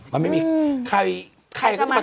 มาไม่มีใครที่จะมาเทรดให้เรา